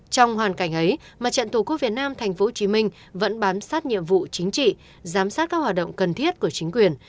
trong hoàn cảnh ấy mặt trận tổ quốc việt nam tp hcm vẫn bám sát nhiệm vụ chính trị giám sát các hoạt động cần thiết của chính quyền